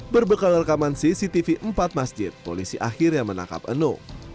berbekal rekaman cctv empat masjid polisi akhirnya menangkap eno